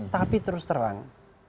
tapi terus terang